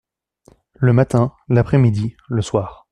Le matin, l’après-midi, le soir.